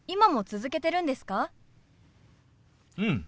うん。